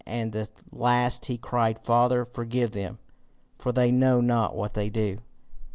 At the last he cried, Father forgive them, for they know not what they do.